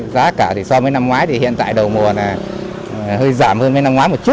giá cả thì so với năm ngoái thì hiện tại đầu mùa là hơi giảm hơn